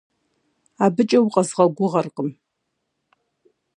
Абыкӏэ укъэзгъэгугъэркъым.